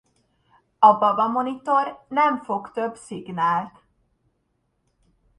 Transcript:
A baba monitor nem fog több szignált.